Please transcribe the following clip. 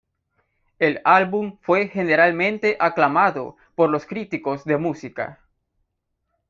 El álbum fue generalmente aclamado por los críticos de música.